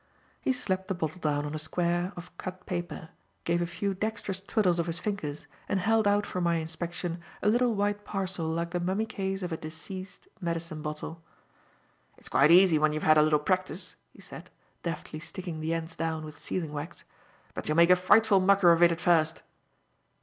He slapped the bottle down on a square of cut paper, gave a few dextrous twiddles of his fingers and held out for my inspection a little white parcel like the mummy case of a deceased medicine bottle. "It's quite easy when you've had a little practice," he said, deftly sticking the ends down with sealing wax, "but you'll make a frightful mucker of it at first."